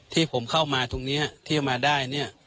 ที่ผมเข้ามาตรงนี้ที่จะมาได้เนี่ย